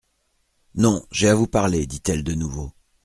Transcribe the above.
Non, j'ai à vous parler, dit-elle de nouveau.